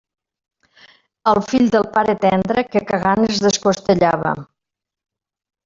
El fill del pare tendre, que cagant es descostellava.